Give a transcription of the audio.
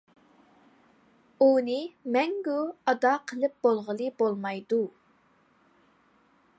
ئۇنى مەڭگۈ ئادا قىلىپ بولغىلى بولمايدۇ.